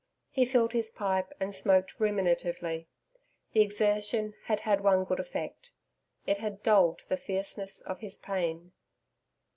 He filled his pipe and smoked ruminatively; the exertion had had one good effect; it had dulled the fierceness of his pain.